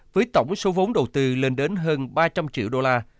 với tổng số vốn đầu tư lên đến hơn ba trăm linh triệu đô la